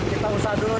kita usah duduk